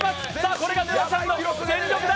これが沼ちゃんの全力だ。